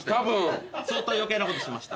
相当余計なことしました？